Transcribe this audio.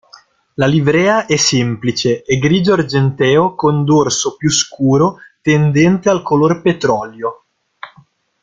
La livrea è semplice: è grigio-argenteo con dorso più scuro, tendente al color petrolio.